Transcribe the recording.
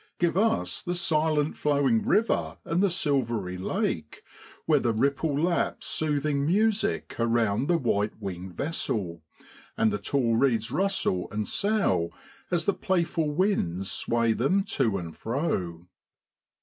Give us the silent flowing river and the silvery lake, where the ripple laps sooth ing music around the white winged vessel, and the tall reeds rustle and sough as the playful winds sway them to and fro.